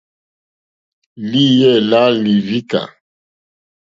Lìyɛ́ lá līrzīkà.